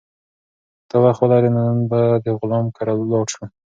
که ته وخت ولرې، نن به د غلام کره لاړ شو.